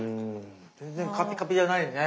全然カピカピじゃないよね。